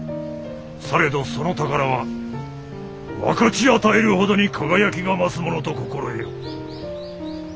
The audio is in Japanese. されどその宝は分かち与えるほどに輝きが増すものと心得よ。